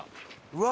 うわ